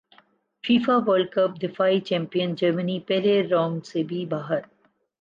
FIFA World Cup دفاعی champion جرمنی پہلے رانڈ سے ہی باہر